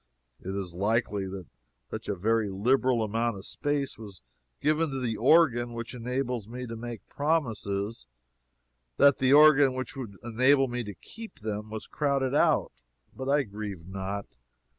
It is likely that such a very liberal amount of space was given to the organ which enables me to make promises, that the organ which should enable me to keep them was crowded out. But I grieve not.